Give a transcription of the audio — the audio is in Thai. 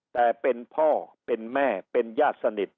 แต่เป็นพ่อเป็นแม่เป็นญาติสนิท